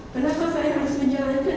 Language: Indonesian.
kenapa saya harus menjalankan